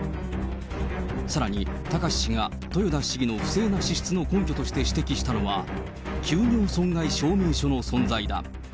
さらに、貴志氏が豊田市議の不正な支出の根拠として指摘したのは、休業損害証明書の存在だ。